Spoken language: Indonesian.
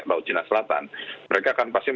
laut cina selatan mereka akan pasti